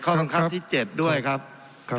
ทั้งสองกรณีผลเอกประยุทธ์